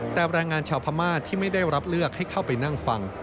แต่แรงงานชาวพม่าที่ไม่ได้รับเลือกให้เข้าไปนั่งฟัง